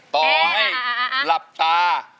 ต่อให้หลับตา